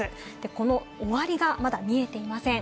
この終わりがまだ見えていません。